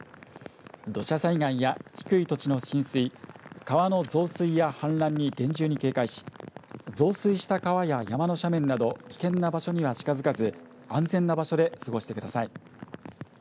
土砂災害や低い土地の浸水、川の増水や氾濫に厳重に警戒し増水した川や山の斜面など危険な場所には近づかず安全な場所で過ごしてください。